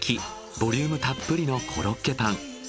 ボリュームたっぷりのコロッケパン。